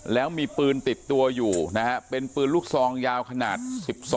แบบที่๑๐ตัวอยู่นะครับ